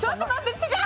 違う！